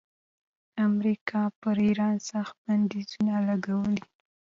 امریکا پر ایران سخت بندیزونه لګولي.